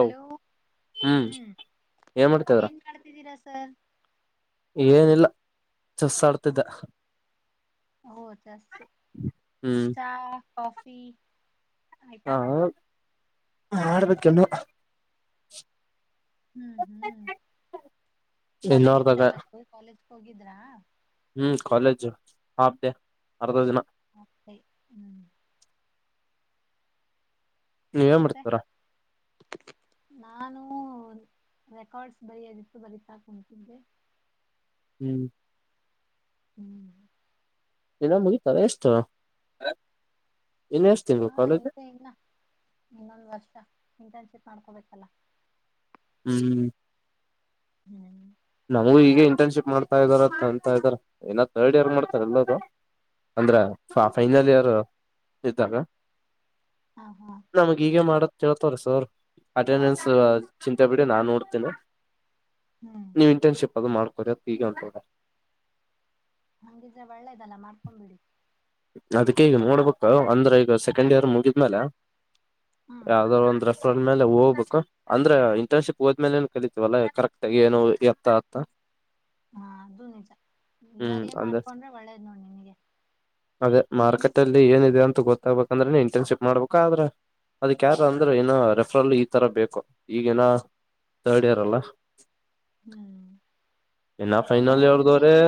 Hello ಹ್ಮ್ ಏನ್ ಮಾಡ್ತಿದ್ದೀರಾ ಸರ್ ಚೇಸ್ ಅಡ್ದಿದೆ ವೋ ಚೇಸ್ ಹ್ಮ್ ಚಾ? ಕಾಫಿ? ಆಯ್ತಾ ಹಾ ಮಾಡಬೇಕು ಇನ್ನೂ ಹ್ಮ್ ಹ್ಮ್ ಕಾಲೇಜ್ ಇನ್ನೋರ್ದಾಗ ಇತ್ತಾ ಇವತ್ತು ಕಾಲೇಜ್ ಹೋಗಿದ್ರಾ ಹ್ಮ್ ಕಾಲೇಜು ಹಾಫ್ ಡೇ ಅರ್ಧ ದಿನ. [unintelligible] ಹ್ಮ್ ನೀವೇನ್ ಮತ್ತೆ ಮಾಡ್ದೀರಾ? ನಾನು ರೆಕಾರ್ಡ್ಸ್ ಬರಿಯೋದಿತ್ತು ಬರೀತಾ ಕುಂತಿದ್ದೆ. ಹ್ಮ್ ಹ್ಮ್ ಎಲ್ಲಾ ಮುಗೀತಾ ವೇಸ್ಟು ಹಾ ಐತೆ ಇನ್ನ ಇನ್ನೊಂದ್ ವರ್ಷ. ಇಂಟರ್ನ್ಶಿಪ್ ಮಾಡ್ಕೋಬೇಕಲ್ಲ? ಹ್ಮ್ ಹ್ಮ್ ನಮಗೂ ಈಗೆ ಇಂಟರ್ನ್ಶಿಪ್ ಮಾಡ್ತಾ ಇದಾರಂತ್ ಅಂತಾಯಿದ್ದಾರೆ ಏನ ತರ್ಡ್ ಇಯರ್ ಮಾಡ್ತಾರ ಎಲ್ಲದು ಅಂದ್ರ ಫ ಫೈನಲ್ ಇಯರ್ ಇದ್ದಾಗ ಹ ಹಾ ನಮಗೀಗ ಮಾಡುತ್ [unintelligible] ತ್ತರ ಸರ್ ಅಟೆಂಡೆನ್ಸ್ ಚಿಂತೆ ಬಿಡಿ ನಾನ್ ನೋಡ್ತೇನೆ. ಹ್ಮ್ ನೀವ್ ಇಂಟರ್ನ್ಶಿಪ್ ಅದು ಮಾಡ್ಕೊರಿ [unintelligible] ಹಂಗಿದ್ರೆ ಒಳ್ಳೇದಲ್ಲ ಮಾಡ್ಕೊಬಿಡಿ. ಅದಿಕ್ಕೆ ಈಗ ನೋಡ್ಬೇಕು ಅಂದ್ರೆ ಈಗ ಸೆಕೆಂಡ್ ಇಯರ್ ಮುಗಿದ್ಮೇಲೆ ಹ್ಮ್ ಯಾವ್ದಾರ್ ಒಂದ್ ರಸ್ ಮೇಲೆ ಹೋಗ್ಬೇಕು ಅಂದ್ರೆ ಇಂಟರ್ನ್ಶಿಪ್ ಹೋದ್ಮೇಲೆನೆ ಕಲಿತೀವಲ್ಲ ಕರೆಕ್ಟಾಗಿ ಏನು ಎತ್ತ ಅಂತ. ಹಾಂ ಅದು ನಿಜ. ಇವಾಗ್ಲೇ ಅಂದ್ರೆ ಮಾಡ್ಕೊಂಡ್ರೆ ಒಳ್ಳೇದ್ ನೋಡ್ ನಿನಿಗೆ. ಅದೇ ಮಾರ್ಕೆಟಲ್ಲಿ ಏನಿದೆ ಅಂತ ಗೊತ್ತಾಬೇಕಂದ್ರೆ ಇಂಟರ್ನ್ಶಿಪ್ ಮಾಡ್ಬೇಕ, ಆದ್ರೆ ಅದುಕ್ ಯಾರು ಅಂದ್ರೆ ಏನು ರೆಫ್ರಲ್ ಈ ತರ ಬೇಕು. ಈಗೇನ ಥರ್ಡ್ ಇಯರ್ ಅಲ್ಲ? ಹ್ಮ್ ಇನ್ನ ಫೈನಲ್ ಇಯರ್ದವ್ರೆ ನಿಮ್ಗಿಂತ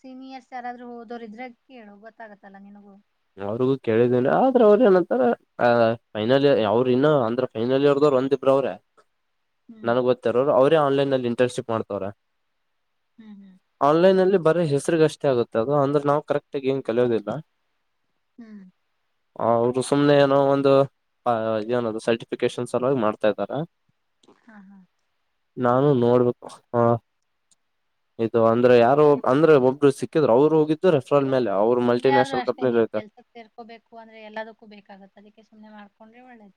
ಸೀನಿಯರ್ಸ್ ಯಾರಾದ್ರೂ ಹೋದೋರ್ ಇದ್ರೆ ಕೇಳು ಗೊತ್ತಾಗತ್ತಲ್ಲಾ ನಿನಗೂ. ಅವ್ರಿಗೂ ಕೇಳಿದೇನೇ ಆದ್ರ ಅವ್ರ್ ಏನಂತಾರೆ ಆ ಫೈನಲ್ ಇಯರ್ ಅವ್ರ್ ಇನ್ನ ಅಂದ್ರ ಫೈನಲ್ ಇಯರ್ ದೌರ್ ಒಂದಿಬ್ರ್ ಅವ್ರೆ. ಹ್ಮ್ ನನುಗ್ ಗೊತ್ತಿರೌರ್ ಅವ್ರ್ [unintelligible] ಆನ್ಲೈನಲ್ ಇಂಟರ್ನ್ಶಿಪ್ ಮಾಡ್ತಾವ್ರೆ. ಹ್ಮ್ ಹ್ಮ್ ಆನ್ಲೈನ್ ಅಲ್ಲಿ ಬರೆ ಹೆಸರಿಗಷ್ಟೇ ಆಗುತ್ತೆ ಅದು ಅಂದ್ರೆ ನಾವು ಕರೆಕ್ಟಾಗೇನ್ ಕಲಿಯೋದಿಲ್ಲ. ಹ್ಮ್ ಅವ್ರೂ ಸುಮ್ನೆ ಏನೋ ಒಂದು ಆ ಏನದು ಸರ್ಟಿಫಿಕೇಶನ್ ಸಲುವಾಗ್ ಮಾಡ್ತಾ ಇದ್ದಾರೆ. ಹಾಂ ಹಾಂ ನಾನು ನೋಡ್ಬೇಕು ಹಾಂ ಇದು ಅಂದ್ರೆ ಯಾರು ಅಂದ್ರೆ ಒಬ್ರು ಸಿಕ್ಕಿದ್ರು ಅವ್ರು ಹೋಗಿದ್ದು ರೆಸ್ [unintelligible] ಮೇಲೆ ಅವ್ರ್ ಮಲ್ಟಿನ್ಯಾಷನಲ್ ಕಂಪ್ನಿ [unintelligible] ಕೆಲ್ಸುಕ್ ಸೇರ್ಕೋಬೇಕು ಅಂದ್ರೆ ಎಲ್ಲದಕ್ಕೂ ಬೇಕಾಗುತ್ತ ಅದಿಕ್ಕೆ ಏನ ಮಾಡ್ಕೊಂಡ್ರೆ ಒಳ್ಳೆದು.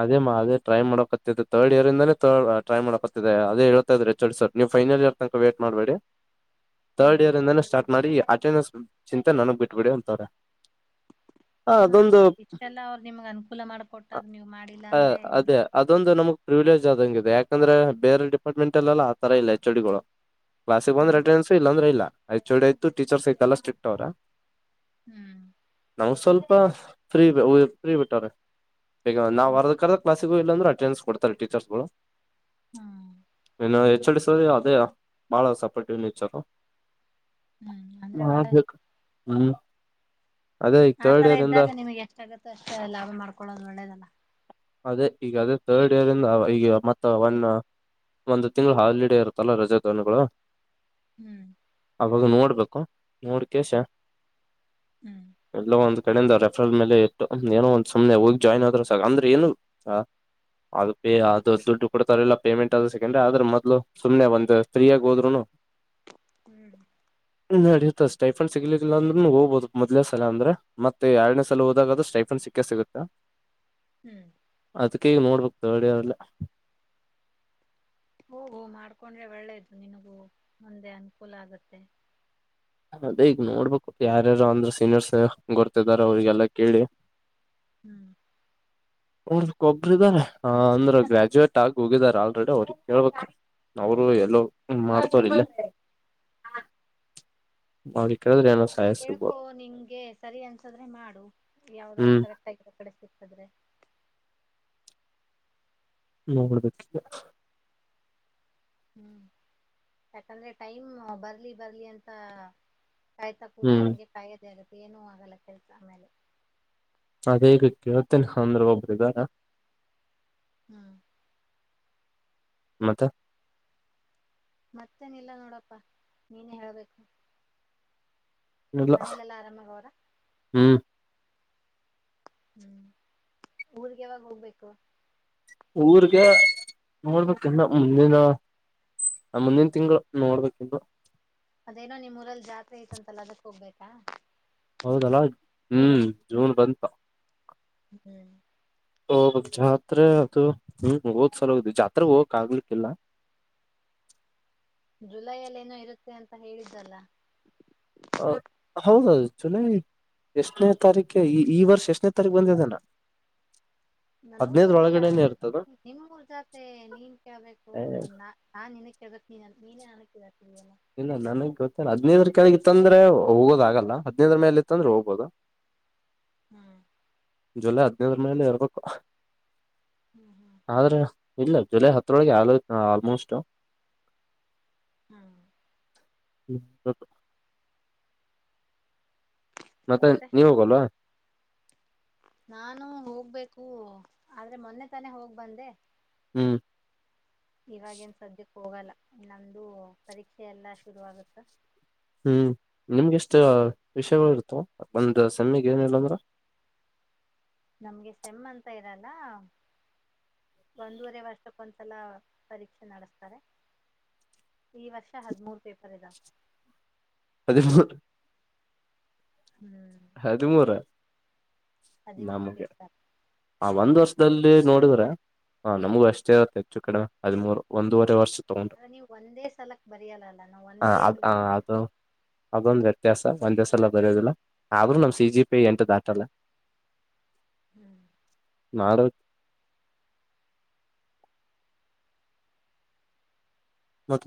ಅದೇ ಮಾ ಅದೆ ಟ್ರೈ ಮಾಡಕತ್ತಿದ್ದು ತರ್ಡ್ ಇಯರ್ ಇಂದಾನೇ ತರ್ಡ್ ತ ಟ್ರೈ ಮಾಡೋಕತ್ತಿದ್ದೆ ಅದೇ ಹೇಳ್ತಾ ಇದ್ರು ಹೆಚ್ ಓ ಡಿ ಸರ್ ನೀವ್ ಫೈನಲ್ ಇಯರ್ ತಂಕ ವೇಟ್ ಮಾಡ್ಬೇಡಿ ತರ್ಡ್ ಹ್ಮ್ ಇಯರ್ ಇಂದಾನೆ ಸ್ಟಾರ್ಟ್ ಮಾಡಿ ಅಟೆಂಡೆನ್ಸ್ ಚಿಂತೆ ನನುಗ್ ಬಿಟ್ಬಿಡಿ ಅಂತಾರೆ. ಮಾಡು ಮತ್ತಿಷ್ಟೆಲ್ಲ ಅವ್ರ್ ನಿಮ್ಗ್ ಅನುಕೂಲ ಮಾಡ್ಕೊಟ್ಟಾಗ್ ನೀವ್ ಮಾಡಿ ಆ ಅದೇ ಅದೊಂ ಒಂದು ನಮ್ಗ್ ಪ್ರಿವಿಲೇಜ್ ಆದಂಗಿದೆ ಯಾಕಂದ್ರೆ ಬೇರೆ ಡಿಪಾರ್ಟ್ಮೆಂಟಲ್ಲೆಲ್ಲ ಆ ತರ ಇಲ್ಲ ಎಚ್ ಓ ಡಿ ಗಳು. ಕ್ಲಾಸಿಗ್ ಬಂದ್ರೆ ಹ್ಮ್ ಅಟೆಂಡನ್ಸು ಇಲ್ಲಾಂದ್ರೆ ಇಲ್ಲ. ಎಚ್ ಓ ಡಿ ಆಯ್ತು ಟೀಚರ್ಸ್ ಸೈಡೆಲ್ಲಾ ಸ್ರಿಕ್ಟ್ ಅವ್ರೆ. ಹ್ಮ್ ನಮುಗ್ ಸ್ವಲ್ಪ ಫ್ರೀ ಬ ಒಯ್ ಫ್ರೀ ಬಿಟ್ಟವ್ರೆ. ನಾವ್ ಹ್ಮ್ ಅರ್ಧಕ್ಕರ್ಧ ಕ್ಲಾಸ್ ತ್ತಿಗೂ ಇಲ್ಲಂದ್ರೆ ಅಟೆಂಡನ್ಸ್ ಕೊಡ್ತಾರೆ ಟೀಚರ್ಸ್ಗುಳು. ಹ್ಮ್ ಇಲ್ಲಾಂದ್ರೆ ಎಚ್ ಓ ಡಿಸ್ ಅಂದ್ರೆ ಅದೇ ಮಾಡೋರ್ ಸಪ್ರೇಟ್ [unintelligible] ಹ್ಮ್ ಅಂದ್ರೆ ಒಳ್ಳೇದ್ ಹ್ಮ್ ಹ್ಮ್ ಆ ತರ ಇದ್ದಾಗ ನಿಮ್ಗೆ ಎಷ್ಟಾಗುತ್ತೆ ಅಷ್ಟೇ ಲಾಭ ಮಾಡ್ಕೊಳ್ಳೋದು ಒಳ್ಳೇದಲ್ಲ ಅದೇ ಈಗ ಅದೇ ಥರ್ಡ್ ಇಯರ್ ಇಂದ ಈಗ ಮತ್ತ ಒನ್ ಒಂದು ತಿಂಗಳ ಹಾಲಿಡೇ ಇರುತ್ತಲ್ಲ ರಜಾ ದಿನಗಳು. ಹ್ಮ್ ಅದು ನೋಡ್ಬೇಕ ಕಾ ನೋಡೆಕೆಸೆ ಹ್ಮ್ ಎಲ್ಲೋ ಒಂದು ಕಡೆಯಿಂದ ರೆಫರಲ್ ಮೇಲೆ ಇಟ್ಟು ಏನೋಂದ ಸುಮ್ನೆ ಹೋಗಿ ಜಾಯನ್ ಆದ್ರ ಸಾಕು ಅಂದ್ರೆ ಏನು ಹ ಅದು ಪ ಅದು ದುಡ್ಡು ಕೊಡ್ತಾರಲ್ಲ ಪೇಮೆಂಟ್ ಆದ ಸೆಕೆಂಡ್ರೆ ಆದ್ರೆ ಮೊದ್ಲು ಸುಮ್ನೆ ಒಂದ್ ತ್ರೀಯಾಗ ಹೋದ್ರುನು ಹ್ಮ್ ನಡೆಯುತ್ತಾ ಸ್ಟೈಫನ್ ಸಿಗ್ಲಿಲ್ಲಾ ಅಂದ್ರೂನು ಹೋಗ್ಬಹುದು ಮೊದಲನೆ ಸಲಾ ಅಂದ್ರೆ ಮತ್ತೆ ಎರನೇ ಸಲ ಹೋದಾಗಾದ್ರೆ ಸ್ಟೈಫಂಡನ್ ಸಿಕ್ಕ ಸಿಗುತ್ತೆ ಹ್ಮ್ ಅದಕ್ಕೆೇ ಈಗ ನೋಡ್ಬೇಕ ತರ್ಡಇಯರ್ ಅಲ್ಲೇ ಹೋ ಹೋ ಮಾಡ್ಕೊಂಡ್ರೆ ಒಳ್ಳೇದು ನಿನಗೂ ಮುಂದೆ ಅನುಕೂಲ ಆಗತ್ತೆ ಅದೇ ಈಗ ನೋಡ್ಬೇಕು ಯಾರ್ಯಾರು ಅಂದ್ರ ಸೀನಿಯರ್ಸ್ ಗೊರ್ತಿದಾರ ಅವ್ರಿಗೆಲ್ಲ ಕೇಳಿ ಹ್ಮ್ ನಡಕ್ ಒಬ್ರ ಇದಾರ ಅಂದ್ರ ಗ್ರಾಜುಯೇಟ್ ಆಗಿ ಹೋಗಿದಾರ ಆಲ್ರೆಡಿ ಅವ್ರ ಕೇಳ್ಬೇಕ ಅವರು ಎಲ್ಲೋ ಮಾಡ್ತಾವ್ರೆ ಇಲ್ಲೆ ಅವನಿಗ ಕೇಳಿದ್ರ ಏನೋ ಹೇಳ್ಕೊ ನಿಂಗೆ ಸರಿ ಅನ್ಸದ್ರೆ ಮಾಡು ಯಾವ್ದಾವ್ದು ಹ್ಮ್ ಕರೆಕ್ಟ್ ಆಗಿರೋ ಕಡೆ ಸಿಕ್ರೆ ಸಿಕ್ಕಿದ್ರೆ ನೋಡಬಿಡಬೇಕು ಇಲ್ಲೆ. ಹ್ಮ್ ಯಾಕಂದ್ರೆ ಟೈಮ್ ಬರ್ಲಿ ಬರ್ಲಿ ಅಂತ. ಕಾಯ್ತ ಕುತ್ರೆ ಹ್ಮ್ ಹಂಗೆ ಕಾಯೋದೆ ಆಗತ್ ಏನು ಆಗಲ್ಲ ಕೆಲ್ಸ ಆಮೇಲೆ. ಅದೇ ಇಗ ಕೇಳ್ತೇನೆ ಅಂದ್ರೆ ಒಬ್ರ್ ಇದಾರ. ಹ್ಮ್ ಮತ್ತ. ಮತ್ತೇನಿಲ್ಲ ನೋಡಪ್ಪ ನೀನೇ ಹೇಳ್ಬೇಕು. ಇಲ್ಲ ಮನೆಲೆಲ್ಲಾ ಆರಾಮಾಗ್ವ್ರ. ಹ್ಮ್ ಹ್ಮ್ ಊರಿಗ್ ಯಾವಾಗ್ ಹೋಗ್ಬೇಕು. ಊರ್ಗೆ ನೋಡ್ಬೇಕ ಇನ್ನ ಮುಂದಿನ ಮುಂದಿನ್ ತಿಂಗ್ಳು ನೋಡ್ಬೇಕಿನ್ನು. ಅದೇನೋ ನಿಮ್ ಊರಲ್ ಜಾತ್ರೆ ಐತಂತಲ್ಲ ಅದಕ್ ಹೋಗ್ಬೇಕಾ. ಹೌದಲ್ಲ ಹ್ಮ್ ಜೂನ್ ಬಂತು. ಹ್ಮ್ ಹೋಗ್ಬೇಕು ಜಾತ್ರೆ ಅದು ಹ್ಮ್ ಹೋದ್ ಸಲ ಹೋಗ್ಕ್ ಜಾತ್ರೆ ಹೋಗಕ್ ಆಗ್ಲಿಕ್ಕಿಲ್ಲ. ಜುಲೈಯಲ್ ಏನೋ ಇರುತ್ತೆ ಅಂತ ಹೇಳಿದ್ದಲ್ಲ. ಹೌದೌ ಜುಲೈ ಎಷ್ಟನೇ ತಾರೀಖ ಈ ಈ ವರ್ಷ ಎಷ್ಟನೇ ತಾರೀಕ್ ಬಂದಿದೆನ. ನನಗೂ ಹದ್ನೈದರ ಗೊತ್ತಿಲ್ಲ ಒಳಗಡೆನೆ ಇರ್ತದ ನಿಮೂರ್ ಜಾತೆ ನೀನ್ ಕೇಳ್ಬೇಕು ಏ ನ ನಾನ್ ನಿನ ಕೇಳ್ಬೇಕು ನೀ ನನ್ ನೀನೇ ನಂಗ್ ಕೇಳ್ತೀಯ ಇಲ್ಲ ನನಗ್ ಗೊತ್ತಿಲ್ಲ ಹದ್ನೈದ್ರ ಕೆಳಗ್ ಇತ್ತಂದ್ರೆ ಹೋಗೋದಾಗಲ್ಲ ಹದ್ನೈದ್ರ ಮೇಲೆ ಇತ್ತಂದ್ರೆ ಹೋಗ್ಬೊದು. ಹ್ಮ್ ಜುಲೈ ಹದ್ನೈದ್ರ ಮೇಲೆ ಇರ್ಬೇಕು. ಹ್ಮ್ ಹ್ಮ್. ಇಲ್ಲ ಜುಲೈ ಹತ್ರೊಳಗೆ ಅಲೈತ್ ಆಲ್ಮೋಷ್ಟು. ಹ್ಮ್ ಹ್ಮ ಗೊತ್ತು. ಮತ್ತೆ ನೀವ್ ಹೋಗಲ್ವಾ. ನಾನು ಹೋಗ್ಬೇಕು ಆದ್ರೆ ಮೊನ್ನೆ ತಾನೆ ಹೋಗ್ ಬಂದೆ. ಹ್ಮ್ ಇವಾಗೇನ್ ಸದ್ಯ ಹೋಗಲ್ಲ ನಮ್ದು ಪರೀಕ್ಷೆ ಎಲ್ಲಾ ಶುರು ಆಗುತ್ತ. ಹ್ಮ್ ನಿಮ್ಗೆಷ್ಟ ವಿಷಯಗಳು ಇರ್ತಾವ ಒಂದ್ ಸೆಮಿಗೆ ಏನ್ ಇಲ್ಲ ಅಂದ್ರ. ನಮ್ಗೆ ಸೆಮ್ಮ್ ಅಂತ ಇರಲ್ಲ ಒಂದೂವರೆ ವರ್ಷಕ್ಕೊಂದ್ಸಲ ಪರೀಕ್ಷೆ ನಡೆಸ್ತಾರೆ. ಈ ವರ್ಷ ಹದ್ಮೂರ್ ಪೇಪರ್ ಇದಾವ್. ಹದಿಮೂರ್. ಹ್ಮ್ ಹದ್ಮೂರ. ಹದಿಮೂರ್ ನಮ್ಗ ಪೇಪರ್ ಆ ಒಂದ್ ವರ್ಷ ದಲ್ಲಿ ನೋಡಿದ್ರ ಹ ನಮ್ಗೂ ಅಷ್ಟೇ ಇರುತ್ತೆ ಹೆಚ್ಚು ಕಡ್ಮೆ ಹದಿಮೂರ್ ಒಂದೂವರೆ ವರ್ಷ್ ಆ ನೀವ್ ಒಂದೇ ಸಲಕ್ ಬರಿಯಲ ಅಲ್ಲ ನಾವ್ ಹ ಒಂದೇ ಸಲಕ್ ಬರಿತಿವಿ. ವ್ಯಾಸ ಒಂದೆ ಸಲ ಬರ್ಯೊದಿಲ್ಲ. ಆದ್ರು ನಮ್ ಸಿ ಜಿ ಪಿ ಎಂಟ್ ದಾಟಲ್ಲ. ಹ್ಮ್ ನಾರ. ಮತ್.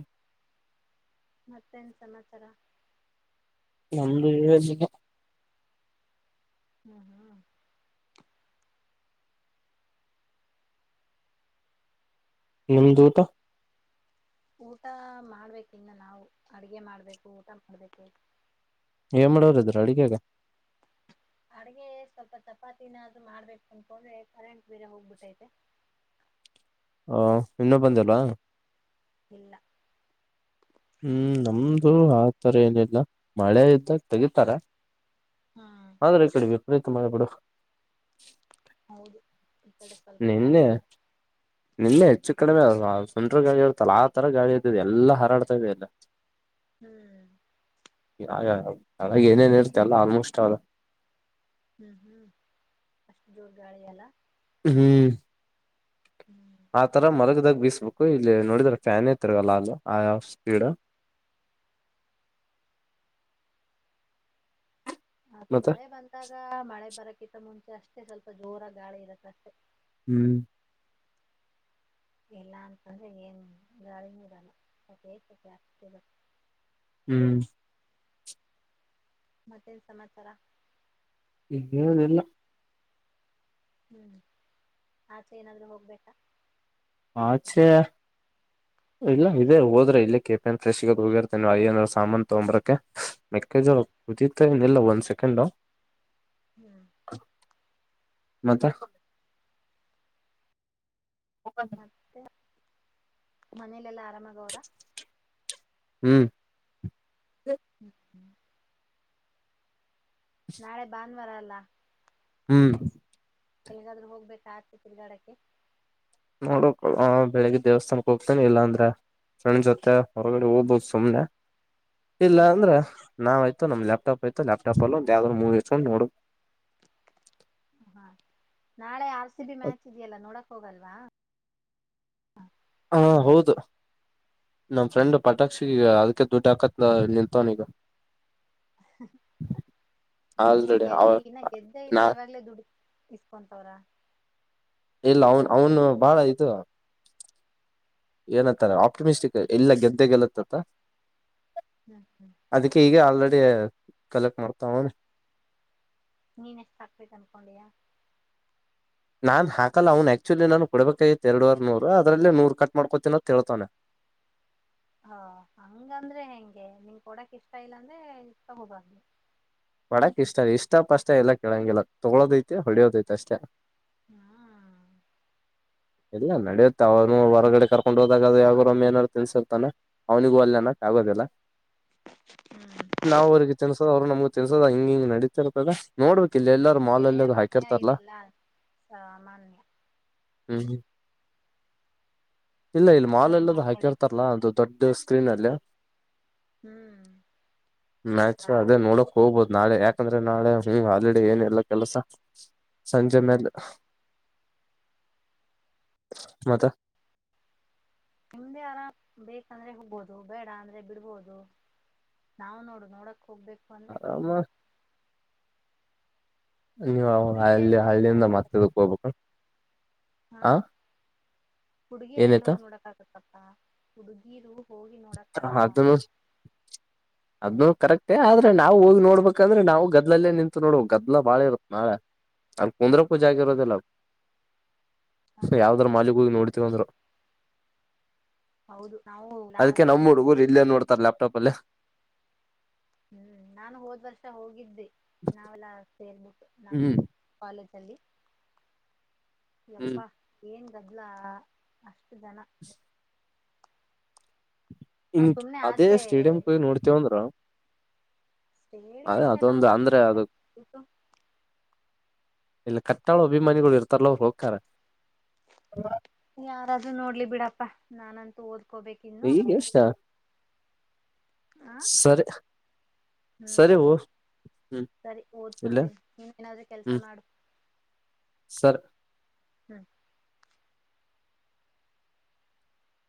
ಮತ್ತೇನ್ ಸಮಾಚಾರ. ನಮ್ದು ಏನಿಲ್ಲ. ಹ್ಮ್ ಹ್ಮ್. ನಿಮ್ದೂಟ. ಊಟ ಮಾಡ್ಬೇಕ್ ಇನ್ನ ನಾವು ಅಡ್ಗೆ ಮಾಡ್ಬೇಕು ಊಟ ಮಾಡ್ಬೇಕು. ಏನ್ ಮಾಡೋರ್ ಇದ್ರ ಅಡಿಗ್ಯಾಗ. ಅಡ್ಗೆ ಸ್ವಲ್ಪ ಚಪಾತಿನಾದ್ ಮಾಡ್ಬೇಕು ಅನ್ಕೊಂಡ್ರೆ ಕರೆಂಟ್ ಬೀರೆ ಹೋಗ್ಬಿಟ್ಟೈತೆ. ಹ ಇನ್ನೂ ಬಂದಿಲ್ವಾ. ಇಲ್ಲ. ಹ್ಮ್ ನಮ್ದು ಅ ತರ ಏನಿಲ್ಲ ಮಳೆ ಇದ್ದಾಗ್ ತೆಗೀತರೆ. ಹಾ ಆದ್ರೆ ಕಡಿಬೇಕ್ ಬ್ರೇಕ್ ಮಾಡ್ಬಿಡು. ಹೌದು. ಈ ಕಡೆ ಸ್ವಲ್ಪ ನಿನ್ನೆ ಜಾಸ್ತಿ ನಿನ್ನೆ. ಹೆಚ್ಚು ಕಡ್ಮೆ ಸುಂಟ್ರ ಗಾಳಿ ಇರುತಲ್ಲ ಆ ತರ ಗಾಳಿ ಇದಿದೆ ಎಲ್ಲಾ ಹಾರಾಡ್ತಾ ಇದೆ ಎಲ್ಲ. ಹ್ಮ್ ಯ ಯಾವ್ ಅಲ್ಲ ಏನೇನ್ ಇರ್ತ ಅಲ್ಲ ಆಲ್ಮೋಸ್ಟ್ ಅವ್ರ. ಹ್ಮ್ ಹ್ಮ್ ಅಷ್ಟ ಜೋರು ಗಾಳಿ ಅಲ್ಲ ಹ್ಮ್ ಹ್ಮ್ ಆತರ ಮಲಗದಾಗ ಬೀಸ್ಬೇಕು ಇಲ್ಲಿ ನೋಡಿದ್ರ ಫ್ಯಾನೆ ತಿರಗಲ್ಲ ಅ ಆ ಯಾವ ಸ್ಪೀಡ್ ಅದು ಮತ್ತೆ ಮಳೆ ಬಂದಾಗ ಮಳೆ ಬರಕ್ಕೆ ಕ್ಕತ ಮುಂಚೆ ಅಷ್ಟೇ ಸ್ವಲ್ಪ ಜೋರ ಗಾಳಿ ಇರತ್ತ ಅಷ್ಟೆ ಹ್ಮ್ ಈಲ್ಲಾ ಅಂತಂದ್ರೆ ಏನ್ ಗಾಳಿನೆ ಇರಲ್ಲ [unintelligible] ಹ್ಮ್ ಮತ್ತೇನ್ ಸಮಾಚಾರ ಈ ಹೇಳದಿಲ್ಲ ಹ್ಮ್ ಆಚೆ ಏನಾದರೂ ಹೋಗ್ಬೇಕಾ ಆಚೆ ಇಲ್ಲ ಇದೇ ಹೋದ್ರೆ ಇಲ್ಲಿ ಕೆಪೆನ್ ಫ್ರೆಶ್ಗೆ ಹೋಗಿರತಿನಿ ಏನಾರ ಸಾಮಾನನ್ ತೊಂಬ್ರಕೆ ಮೆಕ್ಕೆಜೋಳ ಹ್ಮ್ ಕುದಿ [unintelligible] ಒನ್ ಸೆಕೆಂಡ್ ಹ್ಮ್ ಮತ್ತೆ ಮತ್ತೆ ಮನೆಲ ಎಲ್ಲ ಆರಾಮ ಮಗೌಡ ಹ್ಮ್ ಹ್ಮಾ ಹಮ್ ನಾಳೆ ಭಾನುವಾರ ಅಲ್ಲ ಹ್ಮ್ ಎಲ್ಲಿಗಾದರೂ ಹೋಗ್ಬೇಕಾ ಆಚೆ ತಿರುಗಾಡಕ್ಕೆ ನೋಡಕ್ ಬೆಳಿಗ್ಗೆ ದೇವಸ್ಥಾನಕ್ ಹೋಗ್ತೇನೆ ಇಲ್ಲಾ ಅಂದ್ರೆ ಫ್ರೆಂಡ್ ಜೊತೆ ಹೊರಗಡೆ ಹೋಗ್ಬೋದು ಸುಮ್ನೆ ಇಲ್ಲ ಹ್ಮ್ ಅಂದ್ರ ನಾವಯ್ತು ನಮ್ ಲ್ಯಾಪ್ಟಾಪ್ ಆಯ್ತ್ತು ಲ್ಯಾಪ್ಟಾಪ್ ಅಲ್ಲಲ್ಲಿ ಒಂದು ಯಾವ್ದಾದ್ರು ಒಂದು ಮೂವವಿ ಇಸ್ಕೊಂಡು ನೋಡು [unintelligible] ಹಾ ನಾಳೆ ಆರು ಸಿ ಬಿ ಮ್ಯಾಚ್ ಇದೆಯಲ್ಲಾ ನೋಡಕ್ ಹೋಗಲ್ವಾ ಹಾ ಹೌದು ನಮ್ ಫ್ರೆಂಡ್ ಪಟಾಕ್ಷಿಗ ಅದಕ್ಕೆ ದುಡ್ಡು ಹಾಕತ್ ನಿತ್ತವೀಗ ಇನ್ನು ಆಲ್ರೆಡಿ ಅವ ಗೆಲ್ಲಿ ಇನ್ನ ಗೆದ್ದೇ ಇಲ್ಲ ನಾ ಇವಾಗ್ಲೇ ದುಡಿದ ಇಸ್ಕೊಂತವ್ರ ಇಲ್ಲ ಅವನ್ ಅವನು ಬಾಳ ಆಯ್ತು ಏನತ್ತಾರೆ ಆಪ್ಟೊಮಿಸ್ಟಿಕ್ ಎಲ್ಲ ಗೆದ್ದೆ ಗೆಲ್ತಂತ ಹ್ಮ್ ಹ್ಮ್ ಅದಕ್ಕೆ ಈಗ ಆ [unintelligible] ಕಲೆಕ್ಟ್ ಮಾಡ್ತಾ ಅವನ ನೀನ್ ಎಷ್ಟ ಆಕ್ಬೇಕ ಅನ್ಕೊಂಡಿಯ ನಾನ್ ಹಾಕಲ್ಲ ಅವ್ನ್ ಆಕ್ಚುಲಿ ನಾನನ್ ಕೊಡ್ಬೇಕೈತ್ತು ಎರಡು ಆರ್ ನೂರ್ ಅದ್ರಲ್ಲ ನೂರ್ ಕಟ್ ಮಾಡ್ಕೊತೀನೋ ಹೇಳ್ತವಾನೆ ಹ ಹಂಗಂದ್ರೆ ಹೆಂಗೆ ನಿನ್ ಕೊಡಕ್ ಇಷ್ಟ ಇಲ್ಲ ಅಂದ್ರೆ ಇಷ್ಟ ಇಸ್ಕಬಾರ್ದು ಒಡಕ್ ಇಷ್ಟ ಇಷ್ಟ ಪಸ್ಟ ಇಲ್ಲ ಅಷ್ಟೇ ಕೆಳಂಗಿಲ್ಲ ತಗೋಳದೈತಿ ಹೊಡಿಯೋದೈತೆ ಅಷ್ಟೇ ಹಾ ಇಲ್ಲ ನಡಿಯುತ್ತೆ ಅವ್ನು ಹೊರ್ಗಡೆ ಕರ್ಕೊಂಡ್ ಹೋದಾಗ ಅದು ಯಾವುರೊಮ್ಮೆ ಏನಾರು ತಿನ್ಸಿರ್ತಾನ ಅವ್ನಿಗೂ ಅಲ್ ಅನ ಆಗೋದಿಲ್ಲ. ಹ್ಮ್ ನಾವ್ ಅವ್ರಿಗೆ ತಿನ್ಸೋದು ಅವ್ ನಮಗ್ ತಿಲ್ಸದ ಹಿಂಗ್ ಹಿಂಗ್ ನಡೀತಿರ್ದ ನೋಡ್ಬೇಕ್ ಇಲ್ಲಿ ಎಲ್ಲಾರು ಮಾಲ್ ಅಲ್ಲಿ ಅದು ಗೆಳೆಯರರ್ ಮಧ್ಯ ಹಾಕಿರ್ತಾರಲ್ಲಾ ಇವೆಲ್ಲಾ ಸಾಮಾನ್ಯ. ಹ್ಮ ಇಲ್ಲ ಇಲ್ ಮಾಲ್ ಅಷ್ಟಾದ್ರೂ ಎಲ್ಲದು ಮಾಡ್ಕೊಳ್ಳೇಬೇಕು ಹಾಕಿರ್ತಾರಲ್ಲಾ ಒಂದು ದೊಡ್ಡು ಸು ಕ್ವೀನ್ ಅಲ್ಯ. ಹ್ಮ್ ಮ್ಯಾಚ್ ಅದೇ ನೋಡಕ್ ಹೋಗ್ಬೋದು ನಾಳೆ ಯಾಕಂದ್ರೆ ನಾಳೆ ಹಾಲಿಡೆ ಏನಿಲ್ಲ ಕೆಲಸ. ಸಂಜೆ ಹ್ಮ್ ಮೇಲ್. ಮತ್ತ. ನಿಮ್ದೇ ಆರಾಮ್ ಬೇಕಂದ್ರೆ ಹೋಗ್ಬೋದು ಬೇಡ ಅಂದ್ರೆ ಬಿಡ್ಬೋದು ನಾವ್ ನೋಡು ನೋಡಕ್ ಹೋಗ್ಬೇಕು ಅಂದ್ರೆ ಆರಾಮ ಕಷ್ಟ. ನೀವು ಹುಡುಗಿರ್ ಎಲ್ ಹಳ್ಳಿ ಹೋಗ್ ಹಳ್ಳಿಯಿಂದ ನೋಡಕ್ ಮತ್ತ ಆಗತ್ ಇದಕ್ ಹೋಗ್ಬೇಕು ಹಾ ಆ ಏನಾಯ್ತ. ಪಾ ಹುಡುಗಿರು ಹ ಅದುನ್ನು ಅದನ್ನು ಕರೆಕ್ಟ್ ತೆ ಆದ್ರೆ ನಾವು ಹೋಗಿ ನೋಡ್ಬೇಕಂದ್ರೆ ನಾವು ಗದ್ಲಲ್ಲೇ ನಿಂತು ನೋಡ್ಬೇಕ್ ಗದ್ಲ ಬಾಳ ಇರುತ್ ನಾಳೆ ಅಲ್ ಕುಂದ್ರಕು ಜಾಗ್ ಇರೋದಿಲ್ಲ. ಸೊ ಅದು ಯಾವ್ದ್ರ ಮಾಲಿಗ್ ಹೋಗಿ ನೋಡ್ತಿನಂದ್ರು. ಹೌದು ನಾವು ಅದಕ್ಕೆ ಲಾಸ್ಟ್ ನಮ್ಮ್ ಹುಡ್ಗುರು ಇಲ್ಲೇ ನೋಡ್ತಾರೆ ಲ್ಯಾಪ್ಟಾಪ್ ಅಲ್ಲೆ. ಹ್ಮ್ ನಾನು ಹೋದ್ ವರ್ಷ ಹೋಗಿದ್ದೆ ನಾವೆಲ್ಲ. ಸೇರ್ಬುಟು ನಮ್ ಹ್ಮ್ ಕಾಲೇಜ್ ಅಲ್ಲಿ. ಹ್ಮ್ ಯಪ್ಪಾ ಏನ್ ಗದ್ಲಾ ಅಷ್ಟ್ ಟ್ ಜನ. ನಾವ್ ಇಂಕ್ ಸುಮ್ನೆ ಅದೇ ಆಚೆ ಸ್ಟೇಡಿಯಂ ಕಡೆ ನೋಡ್ತಿವಂದ್ರ. ಸ್ಟೇಡಿಯಂಗೆಲ್ಲ ಅದೊಂದು ಹೋಗ್ ಅಂದ್ರೆ ನೋಡಕ್ ದುಡ್ಡು. ಇಲ್ ಕಟ್ಟಾಳ್ ಅಭಿಮಾನಿಗಳು ಇರ್ತಾರಲ್ಲ ಅವ್ರು ಹೋಕರ. ಯಾರಾದ್ರೂ ನೋಡ್ಲಿ ಬಿಡಪ್ಪಾ ನಾನಂತೂ ಓದ್ ಈಗ್ ಎಷ್ಟ. ಆ ಸರಿ, ಹ್ಮ್ ಸರಿ ಹೊ ಹ್ಮ್ ಸರಿ ಇಲ್ಯ ಓದ್ಕೊಂತೀನಿ ನೀನ್ ಏನಾದ್ರೂ ಕೆಲ್ಸ ಹ್ಮ್ ಮಾಡು ಸರ್. ಹ್ಮ್